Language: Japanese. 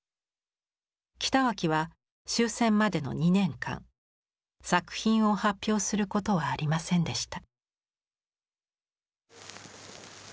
北脇は終戦までの２年間作品を発表することはありませんでした。